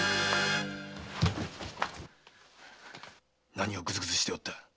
何をグズグズしておる。